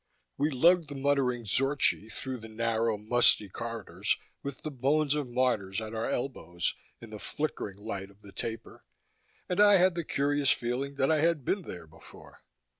We lugged the muttering Zorchi through the narrow, musty corridors, with the bones of martyrs at our elbows, in the flickering light of the taper, and I had the curious feeling that I had been there before.